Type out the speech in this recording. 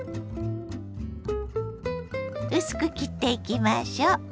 薄く切っていきましょう。